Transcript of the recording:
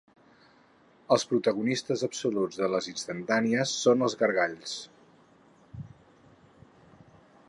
Els protagonistes absoluts de les instantànies són els gargalls.